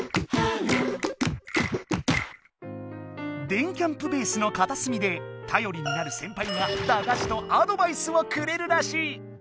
電キャんぷベースのかたすみでたよりになるセンパイがだがしとアドバイスをくれるらしい。